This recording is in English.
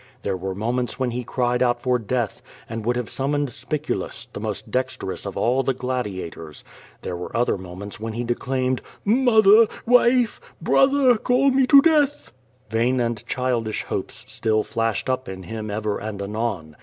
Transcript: There were moments when he cried out for death, and would have summoned Spiculus, the most dexterous of all the gladiators, there were other moments when he de claimed, "Mother, wife, brother, call me to death !'^ Vain and childish hopes still flashed up in him ever and anon.